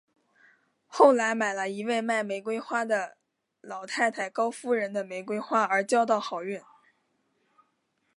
后来买了一位卖玫瑰花的老太太高夫人的玫瑰花而交到好运。